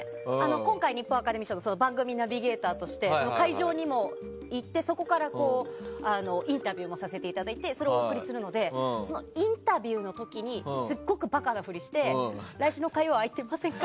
今回、日本アカデミー賞の番組ナビゲーターとして会場にも行って、そこからインタビューもさせていただいてそれをお送りするのでインタビューの時にすごくバカなふりして来週の火曜空いてませんか？